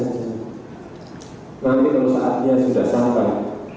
nah ini kalau saatnya sudah sampai